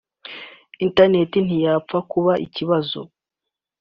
internet ntiyapfa kuba ikibazo